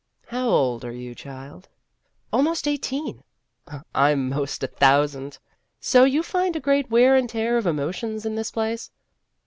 " How old are you, child ?"" Almost eighteen." " I 'm 'most a thousand. So you find a great wear and tear of emotions in this place?"